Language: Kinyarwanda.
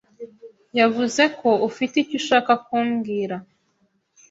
yavuze ko ufite icyo ushaka kumbwira.